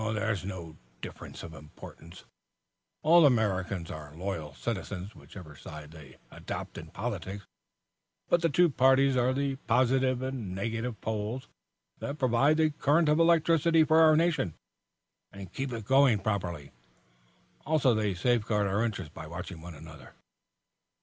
"There is no difference of importance. All Americans are loyal citizens, whichever side they adopt in politics. But the two parties are the positive and negative poles that provide the current of electricity for our nation, and keep it going properly. Also they safeguard our interests by watching one another."